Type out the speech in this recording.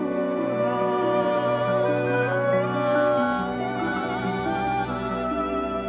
syukur aku sembahkan ke hatimu